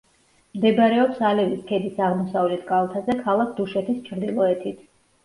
მდებარეობს ალევის ქედის აღმოსავლეთ კალთაზე, ქალაქ დუშეთის ჩრდილოეთით.